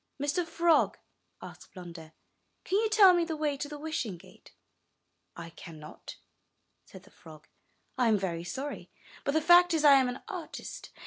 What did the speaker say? '*Mr. Frog," asked Blunder, ''can you tell me the way to the Wishing Gate?" '*I cannot," said the frog. '1 am very sorry, but the fact is, I am an artist.